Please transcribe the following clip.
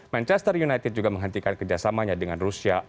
manchester united juga menghentikan kerjasamanya dengan rusia